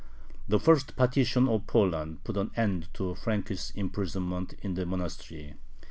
The first partition of Poland put an end to Frank's imprisonment in the monastery.